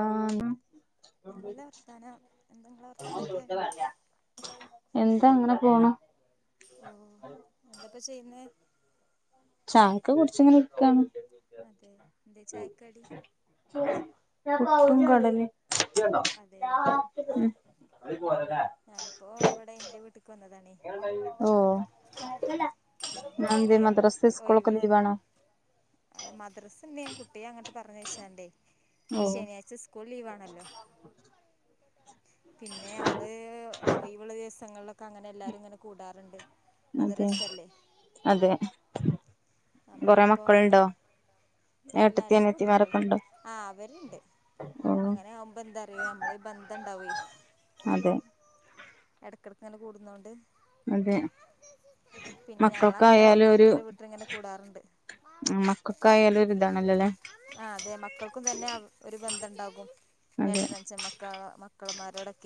ആ നല്ല വർത്താനം എന്താ ഇങ്ങളെ വർത്താനൊക്കെ എന്താ അങ്ങനെ പോണ് ഓ എന്തപ്പ ചെയ്യ്ന്നേ ചായക്ക് കുറിച്ചിങ്ങനെ നിക്കണ അതെ എന്താ ചായക്കടി പുട്ടും കടലേം അതെ ഉം ഞാനിപ്പോ ഇവിടെ എന്റെ വീട്ടക്ക് വന്നത ഓ ഞങ്ങളിങ്ങനെ ന്നന്തേ മദ്രാസ് സ്കൂളൊക്കെ ഒഴിവ് ലീവ് ആണോ പിന്നെ ൻ കുട്ടിയെ അങ്ങട്ട് പറഞ്ഞയ് ചാണ്ടേ ഇന്ന് ഓഹ് ശനിയാഴ്ച സ്കൂൾ ലീവ ആണല്ലോ പിന്നെ നമ്മള് ഒഴിവുള്ളദിവസം പസ്ങ്ങളിലൊക്കെങ്ങനെ എല്ലാവും ഇങ്ങനെ കൂടാറ്ണ്ട് അതെ അതെ കൊറെ നമ്മളിപ്പോ അങ്ങെ മക്കളുണ്ടോ ഇല്ല ഏട്ടത്തി രണ്ട് കുട്ടികള അനിയത്തിമാരൊക്കെ ഉണ്ടോ ആ അവര്ണ്ട് ഓഹ് അങ്ങനെ ആവുമ്പോ എന്താ അറിയോ നമ്മള ബന്ധംണ്ടാവെ അതെ ഇടയ്ക്കിടക്ക്ങ്ങന്നെ കൂടുന്നതൊണ്ട് അതെ പിന്ന ഞങ്ങള അങ്ങനെ മക്കൾക്കായാലും ഒരു ഓരോരുത്തരുടെ വീട്ടിൽ ഇങ്ങനെ കൂടാറുണ്ട് മക്കൾക്കായാലും ഒരു ഇതാണല്ലോല്ലേ ആ അതെ മക്കൾക്കും തന്നെ ഒരു ബന്ധംണ്ടാകും അതെ ഏട്ടനച്ൻ മക്കള മക്കളൾമാരോടെ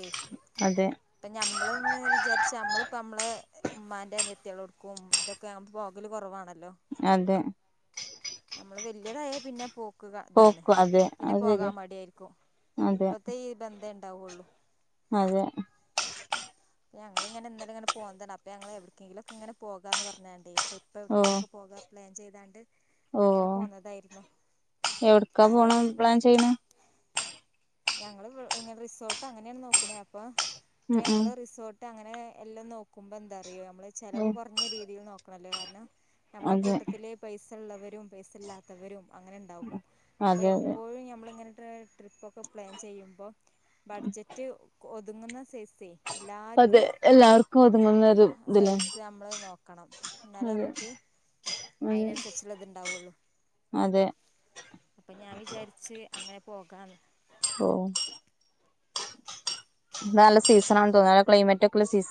അതെ ഇപ്പ ഞമ്മൾന്ന് വിചാരിച്ച നമ്മളിപ്പ നമ്മളെ ഉമ്മാന്റെ അനിയത്കൾ എടുക്കും ഇതൊക്കെ പോകല് കുറവാണ ല്ലോ അതെ നമ്മള് വ വല്ലിയതായ പിന്നെ പോ ക്ക് ഇതാണ് പോക്ക് അതെ പിന്നെ അത് ശരിയാ പോകാൻ മഡ്യായിരിക്കും അതെ ഇപ്പത്തെ ഈ ബന്ധൻ അതെ ഞങ്ങള്ങ്ങനെന്നലെ പോന്നതാണ് അപ്പൊ ഞങ്ങള് എവിടേക്കെങ്കിലും ഒക്കെ ഇങ്ങനെ പോകാന്ന്‌ പറഞ്ഞാണ്ടേ ട്രി ഇപ്പ ഓ എവിടെക്കെങ്കിലൊക്ക പോകാ പ്ലാൻ ചെയ്താണ്ട് ഓ അങ്ങനെ പോന്നതായിരുന്നു അപ്പ എവിടക്കാ നമ്മള് പോണം പ്ലാൻ ചെയ്യണെ ഞങ്ങള് വ് ഇങ്ങ റിസോർട്ട് അങ്ങനാണ് നോക്ണേ അപ്പൊ അപ്പ ഉം ഉം ഞമ്മള് റിസോ ട്ട് അങ്ങനെ എല്ലും നോക്കുമ്പോ എന്താ അല്ലങ്കിലും നമ്മളത് ചെലവ് ഉം കുറഞ്ഞ രീതിയിൽ നോ ക്ക്ണല്ല കാരണം നമ്മളെ അതെ കൂട്ടത്തില് പൈസ് സള്ളവരും പൈസല്ലാത്തവരും അങ്ങനെ ഇണ്ടാകും. അപ്പൊ അതെ അതെ എപ്പോഴും ഞമ്മളിങ്ങനെ [unintelligible] ട്രിപ്പൊക്കെ പ്ലാൻ ചെയ്യുമ്പം ബഡ്ജറ്റ് ഒതുങ്ങുന്ന സൈസേ അതെ എല്ലാര്ക്കും എല്ലാവർക്കും ഒതുങ്ങുന്ന ഒരു ഇതില്ലേ സൈസ് നമ്മള് നോക്കണം എന്നാലേ അതെ നമുക്ക് അതെ അയിനന്നുസരിച്ചുള്ളത്ണ്ടാവൊള്ളു അതെ അപ്പൊ ഞാൻ വിചാരിച്ച് അങ്ങനെ പോകാന്ന്‌ ഓ ഇന്നല്ലേ സീസനാണ് തോന്ന്‌ണു ക്ലൈമറ്റൊക്കള്ള സീസ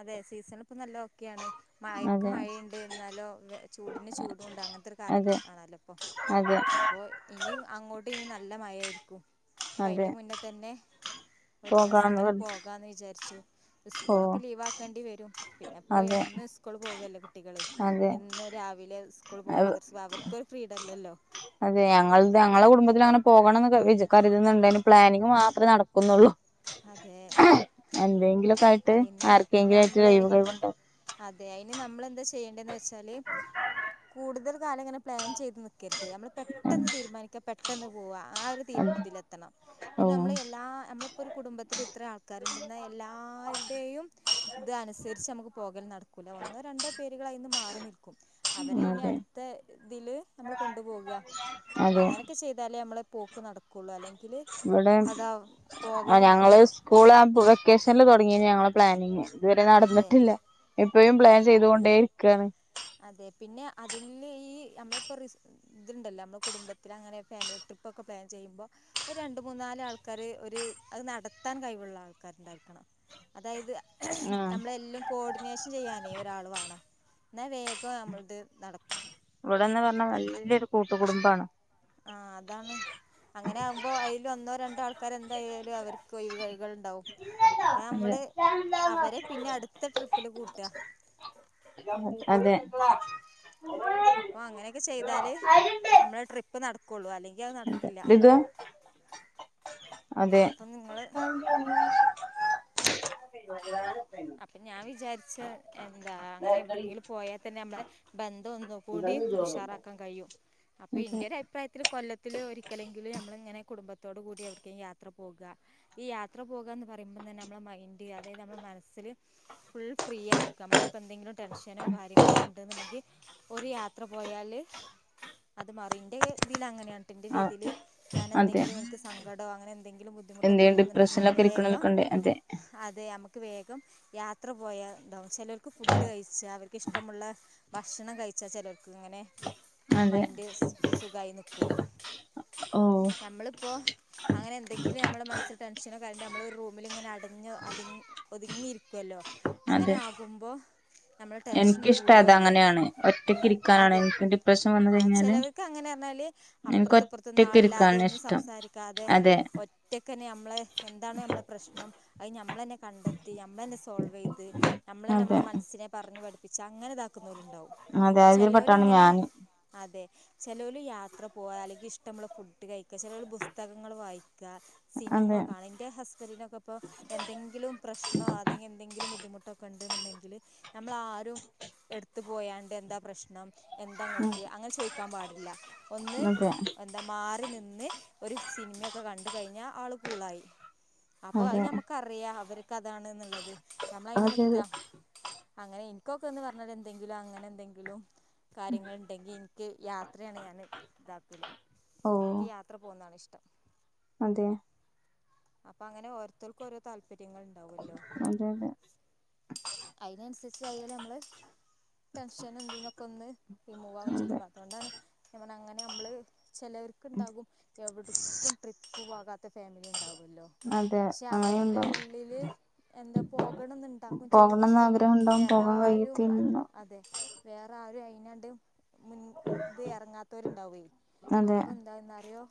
അതെ സീസൺല് ഇപ്പൊ നല്ല ഓക്കെ ആണ്. മയക് അതെ മയേണ്ട് ന്നാലോ വെ ചൂടിന് ചൂടുണ്ട് അങ്ങനത്തൊരു കാലൊക്കെ അതെ ആണല്ലോ ഇപ്പൊ അതെ അപ്പോ ഇനി വ അങ്ങോട്ട് ഇനി നല്ല മഴായിരിക്കും അപ്പ അതെ അയിന്റെ മുന്നത്തന്നെ ഒരു ദിവസം പോകാൻ അങ്ങനെ പോകാന്ന് വിചാരിച്ചു ഓ ഇസ്ക്കൊളൊക്ക് ലീവാക്കേണ്ടി വരും പിന്നെപ്പോ അതെ എന്നും ഇസ്കൂള് പോകല്ലേ കുട്ടികള് എന്നും രാവിലെ സ്കൂൾ പോകാൻ അത് മദ്രസ പോകാൻ അവർക്കൊരു ഫ്രീഡം ഇല്ലല്ലോ അതെ ഞങ്ങൾടെ ഞങ്ങളെ കുടുംബ ഇതിലാണ് പോകണംന്ന് കരു വിചാ കരുതുന്നുണ്ടേലും പ്ലാനിങ്ങ് മാത്രേ നടക്കുന്നുള്ളൂ അതെ എന്തെങ്കിലൊക്കെ ആയിട്ട് അയിന് ആർക്കെങ്കിലു ആയിട്ട് ഞമ്മള് ഒഴിവ് കഴിവുണ്ടാവും അതെ അയിന് നമ്മളെന്താ ചെയ്യേണ്ടതെന്ന് വെച്ചാല് കൂടുതൽ കാലം ഇങ്ങനെ പ്ലാൻ ചെയ്ത് നിക്ക ക്കരുത് നമ്മള് പെട്ടെന്ന് തീരുമാനിക്കാ- പെട്ടെന്ന് പോവാ ആ ഒരു തീ അതെ ഇതിലെത്തണം ഓ പിന്നെ നമ്മൾ എല്ലാ നമ്മള്- കുടുംബത്തിൽ ഇത്ര ആൾക്കാരുണ്ട് എന്നാ എല്ലാരുടെയും ഇത് അനുസരിച്ച് നമുക്ക് പോകൽ നടക്കില്ല ഒന്നോ രണ്ടോ പേരുകളായി മാറി നിൽക്കും അവരെ ഇനി അതെ അടുത്തയിതില് നമ്മള് കൊണ്ടു പോകുക അതെ അങ്ങനൊക്കെ ചെയ്താലേ നമ്മള്- പോക്ക് നടക്കുള്ളൂ അല്ലെങ്കിൽ- ഇവിടെ [unintelligible] അതാ പോകല് ഞങ്ങള് സ്കൂൾ ആവുമ്പോ വെക്കേഷനിൽ തുടങ്ങിയേനെ ഞങ്ങള് പ്ലാനിങ് ഇതുവരെ അതെ നടന്നിട്ടില്ല ഇപ്പഴും പ്ലാൻ ചെയ്തുകൊണ്ടേയിരിക്കയാണ് അതെ പിന്നെ അതില് ഈ നമ്മളിപ്പോ റിസ് ഇതുണ്ടല്ലോ നമ്മുടെ കുടുംബത്തിൽ അങ്ങനെ ഫാമിലി ട്രിപ്പ് ഒക്കെ പ്ലാൻ ചെയ്യുമ്പോ ഒരു രണ്ട് മൂന്ന് നാല് ആൾക്കാര് ഒരു അത് നടത്താൻ കയിവുള്ള ആൾക്കാരുണ്ടായിരിക്കണം അതായത് ആഹ് നമ്മളെല്ലാം കോഡിനേഷൻ ചെയ്യാനേ ഒരാൾ വേണം എന്നാ വേഗം നമ്മള [unintelligible] ത് നടക്കും ഇവിടെ എന്ന് പറഞ്ഞാ വല്ലിയൊരു കൂട്ടുകുടുംബാണ് ആ അതാണ് കുറേ ആൾക്കാർ എന്തായാലും അവർക്ക് ഒയിവ് കയിവുകൽ ഉണ്ടാവും അപ്പം നമ്മള് അവരെ പിന്നെ അടുത്ത ട്രിപ്പില് കൂട്ടുക [unintelligible] അതെ അതെ [unintelligible] അപ്പോൾ അങ്ങനെയൊക്കെ കൊള്ളു അല്ലെങ്കിൽ അത് നടക്കില്ല. അതെ അപ്പം നിങ്ങൾ [unintelligible] [unintelligible] അപ്പൊ ഞാൻ വിചാരിച്ച എന്താ അങ്ങനെ അതെ അതെ എവിടക്കെങ്കിലും പോയാൽ തന്നെ നമ്മടെ ബന്ധം ഒന്നും കൂടി അതെ ഉഷാറാക്കാൻ കഴിയും. അപ്പൊ ഇന്റൊരു അഭിപ്രായത്തില് കൊല്ലത്തില് ഒരിക്കലെങ്കിലും നമ്മളിങ്ങനെ കുടുംബത്തോട കൂടി അവർക്ക് യാത്ര പോകുക, ഈ യാത്ര പോകാന്ന് പറയുമ്പോ തന്നെ നമ്മടെ മൈൻഡ് അതായത് ബസില് ഫുൾ ഫ്രീ ആയിരിക്കും നമുക്കിപ്പോ എന്തെങ്കിലും ടെൻഷനോ കാര്യങ്ങളൊക്കെ ഉണ്ടെന്നുണ്ടെങ്കിൽ ഒരു യാത്ര പോയാല് അത് മാറും ഇന്റെതില് അങ്ങനയാണ്. [inaudible] ആ രീതിൽ ഞാൻ അതെ എന്തെങ്കിലും എനിക്ക് സങ്കടമോ അങ്ങനെ എന്തെങ്കിലും ബുദ്ധിമുട്ടൊക്കെ എന്തേലും ഉണ്ടെന്നുണ്ടെങ്കിൽ ഞാൻ ഡിപ്രഷനിലൊക്കെ വേഗം ഇരിക്കണോലൊക്കെ ഉണ്ട് അതെ അതെ ക്ക് വേ ക്കം, യാത്ര പോയ ണ്ടാവും. ചിലർക്ക് ഫുഡ് കഴിച്ച അവർ ഇഷ്ടമുള്ള ഭക്ഷണം കഴിച്ചാൽ ചിലർക്ക്, ഇങ്ങനെ അതെ മൈൻഡ് ഓ നമ്മള് ഇപ്പൊ അങ്ങനെ എന്തെങ്കിലും നമ്മടെ മനസ്സിൽ ടെൻഷനോ കാര്യങ്ങളോ നമ്മടെ റൂമിൽ ഇങ്ങനെ അടഞ്ഞ അടങ്ങി. ഒതുങ്ങി ഇരിക്കുല്ലോ. അങ്ങനെ അതെ ആകുമ്പോ നമ്മടെ ടെൻഷൻ എനിക്കിഷ്ടം അത് കൂടെയുള്ള, അങ്ങനെയാണ് ഒറ്റക്ക് ഇരിക്കാനാണ് അതെ എനിക്ക് ഡിപ്രഷൻ വന്ന് ആ കഴിഞ്ഞാല് ചെലവർക്ക് അങ്ങനെ അന്നാല് എനിക്ക് അപ്പുറത്ത് ഇപ്പുറത്ത് ഒന്നും ഒറ്റക്ക് ആളില്ലാതെ ഇരിക്കാനാ ഒന്നും ഇഷ്ടം സംസാരിക്കാതെ അതെ ഒറ്റക്ക് തന്നെ നമ്മളെ എന്താണ് നമ്മടെ പ്രശ്നം അത് ഞ നമ്മളെ കണ്ടെത്തി. ത്തി നമ്മള് തന്നെ സോൾവ് ചെയ്തു, നമ്മളെ അതെ നമ്മടെ മനസ്സിനെ പറഞ്ഞു കൊടു ചങ്ങല ഇതാക്കും. നൂൽ ഉണ്ടാവും അതെ അതിൽ ചെലോല പെട്ടാണ് ഇങ്ങനെ ഞാന് അതെ. ചിലവ യാത്ര പോവാ അല്ലെങ്കിൽ ഇഷ്ടമുള്ള ഫുഡ് കഴിക്കാ ചില പുസ്തകങ്ങൾ വായിക്ക സിനിമ അതെ കാണൻ എൻ്റെ ഹസ്ബൻഡിനൊക്കെ ഇപ്പോൾ എന്തെങ്കിലും എന്ത [unintelligible] ബുദ്ധിമുട്ടൊക്കെ ഉണ്ട് എന്നുണ്ടെങ്കില് നമ്മള ആരും എടുത്തു പോയാണ്ട് എന്താ പ്രശ്നം ഉം എന്താങ്ങക്ക് അങ്ങനെ ചോദിക്കാൻ പാടില്ല ഒന്ന് അതെ എന്താ മാറി നിന്ന് ഇന്ന് ഒരു സിനിമയൊക്കെ കണ്ട കഴിഞ്ഞ ആള് കൂളായി അപ്പൊ അത് അതെ ഞമ്മക്കറിയാം അവര് കഥാണ് എന്നുള്ളത് നമ്മളയിന് അതെ നക്ക അതെ അങ്ങനെ പക്കൊക്ക എന്ന് പറഞ്ഞാൽ എന്തെങ്കിലും അങ്ങനെ എന്തെങ്കിലും കാര്യങ്ങളുണ്ടെങ്കിൽ എനിക്ക് യാത്രയാണ് ഞാാന് ഇതാക്കൂില് ഓ എനിക്ക് യാത്ര പോകുന്നതാണ് ഇഷ്ട്ടം [unintelligible] അതെ അപ്പൊ അങ്ങനെഓോരുത്തർക്ക്ോരോ താല്പര്ം താല്പര്യങ്ങൾ ഉണ്ടാവല്ലോ അതെ അതെ അതിനനുസരിച്ച് ആായാലല് നമ്മള് ടെൻഷന എന്തന്നൊക്കെ ഒന്ന് റിമൂവ് ആയും അതെ ചെയ്യും അതുകൊണ്ടാണ് അങ്ങനെ നമ്മള് ചിലർക്കുണ്ടാകും എവിടക്കും ട്രിപ്പ് പോകാം ഫാമിലി ഉണ്ടാവും ല്ലോ അതെ പക്ഷെ അവരുടെ അങ്ങനെയുണ്ടാവും ഉള്ളില് എന്താ പോകണംെന്നുണ്ടാകും ചെയ്യും പോകണംന്ന് പക്ഷെ ആഗ്രഹം ഉണ്ടാവും പോകാൻ വേറാരും അത് കഴിയത്തില്ല അതെ വേറെ ആരും അയിതിനണ്ട് മുൻ ഇത് ഇറങ്ങാത്തവരുണ്ടാവയി അതെ അപ്പൊ എന്താെന്നറിയോ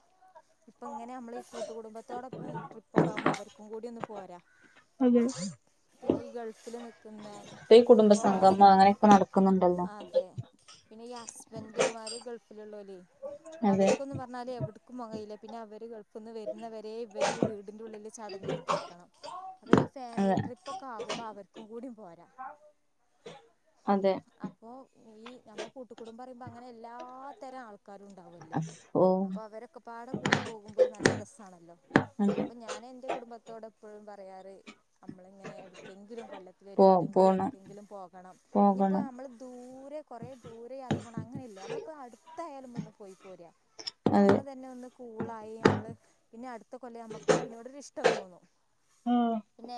ഇപ്പൊ ഇങ്ങനെ നമ്മള് ഈ കൂട്ട കുടബത്തോടൊപ്പ ട്രിപ്പ ഒക്കെ ആകുമ്പോ അവർക്കും കൂടി ഒന്ന് പോരാ അതെ പിന്നെ ഈ ഗൾഫ് ഇപ്പ ഈ അപ്പൊ ആസ് കുടുംബസംഗമം അങ്ങനെയൊക്കെ നടക്കുന്നുണ്ടല്ലോ അതെ അസ്വെന്റിവാലി ഗൾഫില്ള്ളോലെ അതെ അവർക്കൊന്നും പറഞ്ഞാല് എവിടക്കും മുകയില്ല പിന്നെ അവര് കൾഫിൽന് വരുന്നവരെ ഇവര് ഈ വീടിന്റെ ഉള്ളില് ചടഞ്ഞ് കുത്തിർക്കണം അപ്പൊ ഈ ഫാമിലി അതെ ട്രിപ്പ് ഒക്കെ ആകുമ്പോ അവർക്ക് കൂടി പോരാ അതെ ഇനി നമ്മള് കൂട്ടുകുടുംബാന് പറയുമ്പോ അങ്ങനെ എല്ലാ തരം ആൾക്കാരും ഉണ്ടാവല്ലോ ഓ അപ്പൊ അവരൊക്കെ പാടെ കൂടി പോകുമ്പോ ഒരു നല്ല രസാണല്ലോ അതെ അപ്പൊ ഞാൻ എന്റെ കുടുംബത്തോടെപ്പഴും നമ്മള് ഇങ്ങനെ എവിട്ക്കെങ്കിലും കൊല്ലത്തിൽ പോ ഒരിക്കലെങ്കിലും പോണം എവിടക്കെങ്കിലും പോകണം ഇനി ഇപ്പ പോകണം നമ്മള് ദൂരെ കൊറേ ദൂരെ യാത്ര പോകണം അങ്ങനെല്ല നമ്മളിപ്പോ അടു എത്തായാലും ഒന്ന് പോയി പോര ഇപ്പ അതെ നമ്മള് തന്നെ ഒന്ന് കൂളായി നമ്മള് പിന്നെ അടുത്ത കൊല്ലം നമ്മക്ക് അയിനോട് ഒരു ഇഷ്ട്ടം ട്ടം തോന്നും പിന്നെ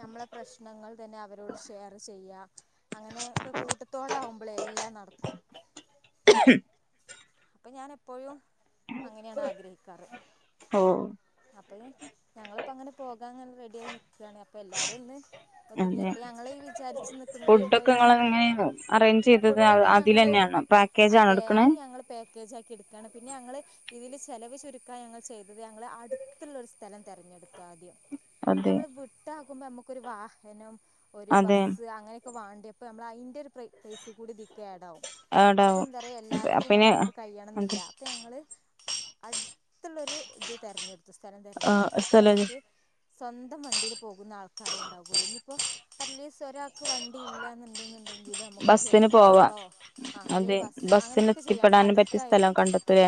നമ്മളെ പ്രശ്നങ്ങൾ തന്നെ അവരോട് ഷെയർ ചെയ്യ അങ്ങനെ ഒക്കെ കൂട്ടത്തോടെ ആവുമ്പോളെ എല്ലാം നടക്കും ഇപ്പൊ ഞാൻ എപ്പോഴും അങ്ങനെയാണ് ആഗ്രഹിക്കാറ് ഓ അപ്പഴ് ഞങ്ങള് ഇപ്പൊ അങ്ങനെ പോകാൻ ഇങ്ങനെ റെഡി ആയി നി ക്കാണ് അപ്പൊ എല്ലാരും ഒന്ന് ഒരുങ്ങി അതെ ഇപ്പൊ ഞങ്ങള് ഈ വിചാരിച്ചു നിക്കുന്നത് ഇപ്പൊ ഫുഡൊക്കെ ഈ നിങ്ങൾ എങ്ങനെ അറേഞ്ച് ചെയ്തത് ഫുഡൊക്കെ ഞങ്ങള് അതിലെന്നെയാണോ പാക്കേജ് ആണോ അതെ എടുക്കണേ അത് ഞങ്ങള് പാക്കേജ് ആക്കി എടുക്കുകാണ് പിന്നെ ഞങ്ങൾ ഇതിൽ ചിലവ് ചുരുക്കാൻ ഞങ്ങൾ ചെയ്തത് ഞങ്ങൾ അടുത്തുള്ളൊരു സ്ഥലം തിരഞ്ഞെടുത്തു ആദ്യം ഇപ്പൊ അതെ മ്മൾ വിട്ടാ നോക്കുമ്പോൾ നമുക്കൊ വാഹനം ഒരു അതെ ബസ്സ് അങ്ങനെ ഒക്കെ വാണ്ടേ അപ്പോ നമ്മളയിന്റെ ഒരു പ്ര പൈസീം കൂടി ഇതിക്കാടാവും ആടാവും അപിന്നെ കഴിയണംന്നില്ല അപ്പൊ ഞങ്ങള് അടുത്തുള്ളരു ഇത് തിരഞ്ഞെടുത്തു സ്ഥലം തിരഞ്ഞെടുത്തു അപ്പൊ സ്ഥല ഞമ്മക്ക് സ്വന്തം വണ്ടിൽ പോകുന്ന ആൾക്കാരേ ഉണ്ടാവുള്ളൂ ഇനിപ്പോ അറ്റ്ലീസ്റ്റ് ഒരാൾക്ക് വണ്ടി ഇല്ലാന്ന് ണ്ടെങ്കിൽ നമുക്കൊരു ചെറിയ ബസിന് പോവാ കാറോ ആ അതെ അല്ലെങ്കിൽ ബസ്സോ ബസ്സിന് അങ്ങനൊക്കെ ചെയ്യാം എത്തിപ്പെടാനും പറ്റിയ നമ്മളെ അടു സ്ഥലം കണ്ടെത്തലേ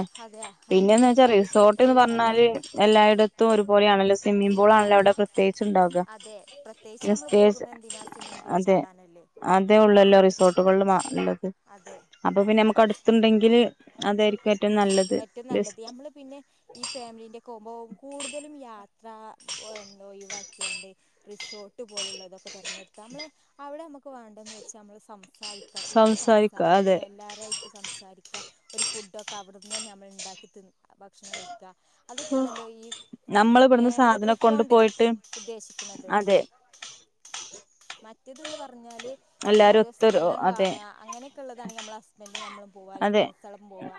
പിന്നെന്ന് എസ് വെച്ചാ ആർ ടി സി ഒക്കെ ഫ്രീ റിസോർട്ട്ന്ന് ആണല്ലോ പറഞ്ഞാല് എല്ലായിടത്തും ഒരുപോലെയാണ്. നല്ല സ്വിമ്മിപൂളാണല്ലോ അവിടെ പ്ര ത്യേഗിച്ച് ഉണ്ടാക അതെ പ്രത്യേകിച്ച് പിന്നെ നമ്മൾ സ്റ്റേജ്‌ പോകുന്നത് എന്തിനാ സ്വിമ്മിംഗ് പൂളിൽ അതെ ചാടാനല്ലേ അതേ ഉള്ളല്ലോ റിസോർട്ടുകളിൽ ഉള്ളത് അതെ അപ്പൊ പിന്നെ നമുക്ക് കുറച്ച് അടുത്തുണ്ടെങ്കില്. അതായിരിക്കും. ഏറ്റവും നല്ലത് ഏറ്റവും നല്ലത് ബെസ്റ്റ് നമ്മള് പിന്നെ ഈ ഫാമിലിന്റെ [unintelligible] [unintelligible] കൂടുതലുംയാ [unintelligible] എന്തോ ഒഴിവാക്കിയാണ്ട് റിസോർട്ട് പോലെയുള്ളതൊക്കെ തിരഞ്ഞെടുത്താൽ നമ്മൾ അവിടെ നമുക്ക് വേണ്ടതെന്ന് വെച്ചാൽ നമ്മൾ [unintelligible] [unintelligible] കൂടുതൽ സംസാരിക്ക എല്ലാരുംആയിട്ട് സംസാരിക്ക. [unintelligible] ഒരു ഫുഡ് ഒക്കെ അവിടെ [unintelligible] നമ്മൾ ഉണ്ടാക്കി [unintelligible] ഭക്ഷണം കഴിക്കും. [unintelligible] അതൊക്കെയാണല്ലോ ഈ എന്താ നമ്മള് ഇവിടുന്ന് ഫാമിലി സാധനം ട്രിപ്പ കൊണ്ട് പോണ്ടേ പോയിട്ട് ഉദ്ദേശിക്കുന്നത്. അതെ മറ്റേതന്ന് പറഞ്ഞ [unintelligible] എല്ലാരും നമ്മളഓരോ ഒത്തൊരു സ്ഥലം അതെ കാണ അങ്ങനെയൊക്കെയള്ളതാണെങ്കി നമ്മള് ഹസ്ബൻഡ് നമ്മളും പോവാ അല്ലെങ്കിൽ അതെ ഫ്രണ്ട്സാളപ്പം പോവാ.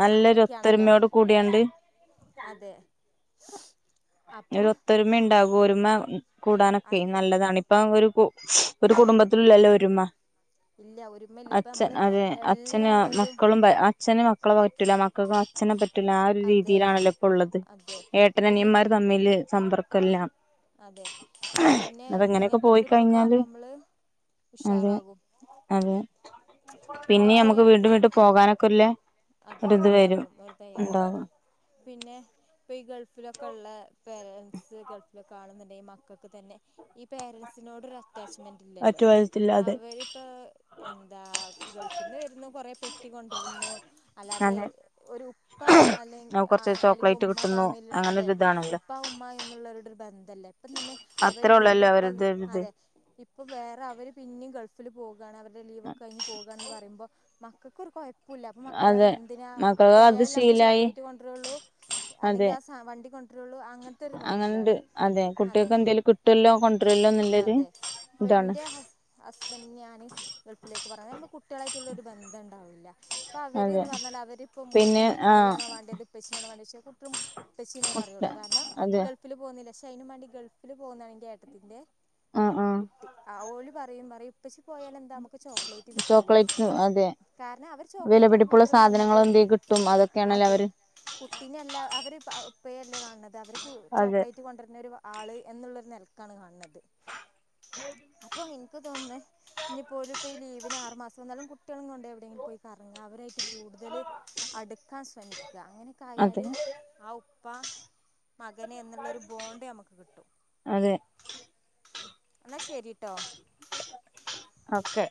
നല്ലൊരു ഒത്തൊരുമയോട് കൂടിയാണ്ട്. അതെ അപ്പൊ ഒരു ഒത്തൊരുമ ഇണ്ടാവും ഒരുമ. കൂടാനൊക്കെ അതെ നല്ലതാണ് ഇപ്പ ഒരു ഒരു കുടുംബത്തിലുള്ളല്ലോ [unintelligible] [unintelligible] ഇല്ല ഒരുമല്ല ഇപ്പ അച്ഛൻ നമ്മള് അതെ അച്ഛന് എല്ലാവരും മക്കളും അച്ഛന് മക്കളെ പറ്റൂല്ല മക്കൾക്ക് അച്ഛനെ [unintelligible] [unintelligible] ആ ഒരു അതെ രീതിയിലാണല്ലോ ഇപ്പ ഉള്ളത് അതെ പിന്നെ [unintelligible] അല്ലേ സമ്പർക്കം എല്ലാം അതെ പിന്നെ അപ്പൊ എങ്ങനെയൊക്കെ ഇങ്ങനത്തെ പോയി ട്രിപ്പൊക്കെ കഴിഞ്ഞാല് ആകുമ്പോ നമ്മള് അതെ ഉഷാറാകും അതെ പിന്നെ മ്മുക്ക് വീണ്ടും വീണ്ടും പോകാനൊക്കെള്ള അതെ ഉണ്ടാകും ഒരു തയ്യാറോ ഉണ്ടാകും പിന്നെ ഇപ്പൊ ഈ ഗൾഫിലൊക്കെ ഉള്ള പേരൻസ് ഗൾഫിൽ കാണുന്നുണ്ടെ ഈ മക്കൾക്ക് തന്നെ ഈ പേരൻറ്സിനോട് റസ് അറ്റാച്ച്മെന്റ് ഇല്ലല്ലോ മറ്റു വിധത്തില്ലാതെ അവരിപ്പോ എന്താ ഗൾഫിന്ന് വരുന്നു കൊറെ പെട്ടികൊണ്ടിരുന്നു അല്ലാതെ അതെ ഒരു ഉപ്പ അല്ലെ കുറച്ച് അല്ലെങ്കിൽ ചോക്ലേറ്റ് ഉമ്മ കിട്ടുന്നു തമ്മിൽ അങ്ങനെ അതെ ഒരു ഇതാണല്ലോ ഉപ്പ ഉമ്മ എന്ന ള്ളവരുടെ ഒരു ബന്ധംല്ലേ ഇപ്പം തന്നെ അവര് അത്രേ വീണ്ടും ഉള്ളല്ലോ ഇപ്പ അവരത് ഒരിത് അതെ ഇപ്പം വേറെ അവര് പിന്നെ ഗൾഫിൽ പോകും അവരുടെ ലീവ് ഒക്കെ കഴിഞ്ഞ് പോകയാണന്ന് പറയുമ്പോ മ ക്ക് ഒരു കുഴപ്പമില്ല മക്കളറി അതെ എന്തിനാ മക്കൾക്ക് അത് പോയാലല്ലേ നമുക്ക് ശീലായി ചോക്ലേറ്റ് കൊണ്ടുവരള്ളൂ അല്ലെങ്കി അതെ ആ വണ്ടി കൊണ്ടരുള്ളൂ അങ്ങനത്തെ ഒരു അങ്ങനെണ്ട് മൈൻ്റിലാണ് അതെ കുട്ടികൾക്ക് എന്തേലും കിട്ടുവല്ലോ കൊണ്ടുവരുല്ലോ എന്നുള്ളൊരു അതെ ഇതാണ് ഇൻ്റെ ഹസ്ബൻ്റിനെ ഞാന് ഗൾഫിലേക്ക് പറഞ്ഞ നമ്മന് കുട്ടികളായിട്ടുള്ള ഒരു ബന്ധം ഉണ്ടാവൂല്ല പാവേ അതെ ര്ന്ന് പറഞ്ഞാല് അവരിപ്പൊ ഉം ഇങ്ങക്ക് പിന്നെ മുട്ടായി ആഹ് ആണോ വാണ്ടേത് ഇപ്പച്ചിനെ വേണ്ടോയ്ച്ചാ [unintelligible] പ്പച്ചീന്നേ മുട്ട പറയൊള്ളു കാരണം അതെ ഗൾഫില് പൊന്നെന്റെ ശം എയ്നുമ്മാണ്ടി ഗൾഫില് പോകുന്നാണെങ്കി ഏട്ടത്തിൻ്റെ ആഹ് ആഹ് കുട്ടി ആ ഓല് പറയും പറയും പ്പച്ചി പോയാലെന്താ മ്മക്ക് ചോക്ലേറ്റ് കിട്ടൂലേ ചോക്ലേറ്റ് അതെ കാരണം അവര് ചോക്ലേറ്റ് ചിനാണ് വിലപിടിപ്പുള്ള കൂടുതല് കാണത് സാധനങ്ങൾ എന്തെ കിട്ടും അതൊക്കെയാണല്ലോ അതേ അവര് കുട്ടിനല്ല അവര് ഏ പേര്ല് കാണ് ണത് അവര് പ അതെ ചോക്ലേറ്റ് കൊണ്ടര്ണൊരു ആള് എന്നുള്ളൊരു നെൽക്കാണ് കാണ് ണത് ഇപ ഇൻക്ക് തോന്ന്ന്നേ. ഇനിപോ ഓലിപ്പോ ഈ ലീവിന് ആറ് മാസം വന്നാലും കുട്യേളിംകൊണ്ട് എവിടെങ്കിലും പോയി കറങ്ങാ അവ രായിട്ട് കൂട്തല് അട്ക്കാൻ ശ്രമി ക്കാ അങ്ങനെക്കായാല് അതെ ആ ഉ പ്പാ മകന് എന്ന്ള്ളൊരു ബോണ്ട് ഞമക്ക് കിട്ടും അതെ ഇന്നാ ശരിട്ടോ ഓക്കെ